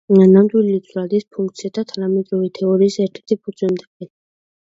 ნამდვილი ცვლადის ფუნქციათა თანამედროვე თეორიის ერთ-ერთი ფუძემდებელი.